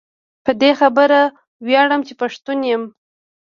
په دي خبره وياړم چي پښتون يم